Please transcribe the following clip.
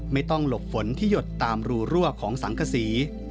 ไม่ต้องหลบฝนที่หยดตามรูรั่วของสังกษี